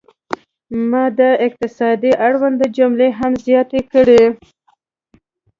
ما د اقتصاد اړوند جملې هم زیاتې کړې.